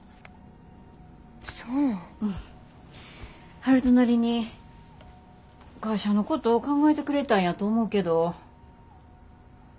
悠人なりに会社のこと考えてくれたんやと思うけど。